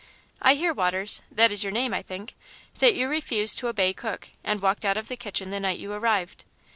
"I hear, Waters that is your name, I think that you refused to obey cook, and walked out of the kitchen the night you arrived."